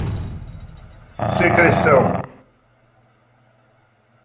secreção